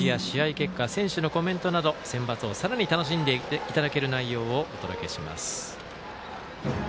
結果選手の声などセンバツをさらに楽しんでいただける内容をお届けします。